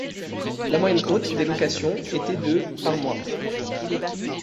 La moyenne haute des locations était de par mois.